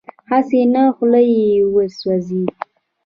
هسې نه خوله یې وسېزي.